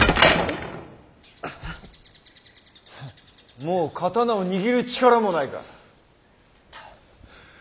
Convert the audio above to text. もう刀を握る力もないか。